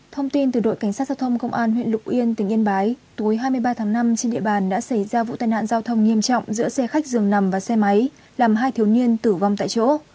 thông tin từ đội cảnh sát giao thông công an huyện lục yên tỉnh yên bái tối hai mươi ba tháng năm trên địa bàn đã xảy ra vụ tai nạn giao thông nghiêm trọng giữa xe khách dường nằm và xe máy làm hai thiếu niên tử vong tại chỗ